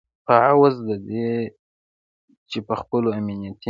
په عوض د دې چې په خپلو امنیتي